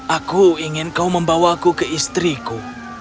aku ingin kau membawaku ke istriku